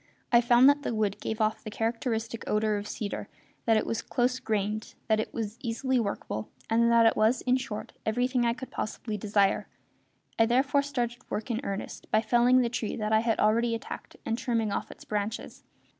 I found that the wood gave off the characteristic odour of cedar; that it was close grained; that it was easily workable; and that it was, in short, everything I could possibly desire. I therefore started work in earnest by felling the tree that I had already attacked and trimming off its branches.